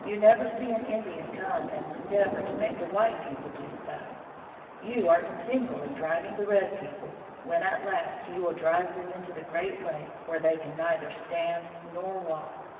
You never see an Indian come and endeavor to make the white people do so. You are continually driving the red people; when, at last, you will drive them into the Great Lake, where they can neither stand nor walk.